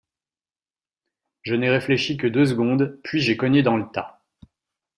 Je n’ai réfléchi que deux secondes, puis j’ai cogné dans le tas.